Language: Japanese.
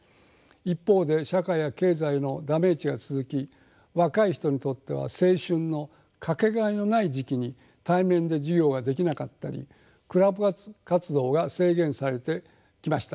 一方で社会や経済のダメージが続き若い人にとっては青春の掛けがえのない時期に対面で授業ができなかったりクラブ活動が制限されてきました。